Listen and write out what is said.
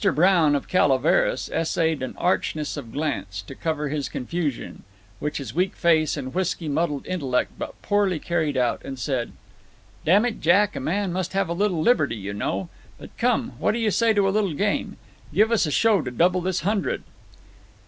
Brown of Calaveras essayed an archness of glance, to cover his confusion, which his weak face and whisky muddled intellect but poorly carried out, and said: "Damn it, Jack, a man must have a little liberty, you know. But come, what do you say to a little game? Give us a show to double this hundred."